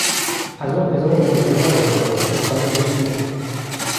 از او انتظار معجزه نداشته باش - انسانی بیش نیست!